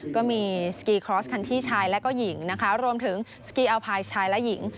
ก็มีสกีครอสคันที่ชายและก็หญิงนะคะรวมถึงสกีอัลพายชายและหญิง